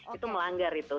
itu melanggar itu